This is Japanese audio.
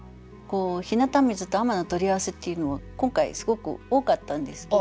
「日向水」と「海女」の取り合わせっていうのは今回すごく多かったんですけど。